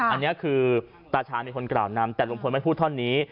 อันนี้คือตาชาญเป็นคนกล่าวนำแต่ลุงพลไม่พูดท่อนนี้